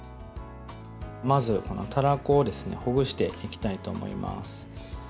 まず、たらこをほぐしていきたいと思います。